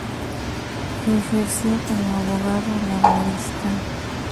Ejerció como abogado laboralista.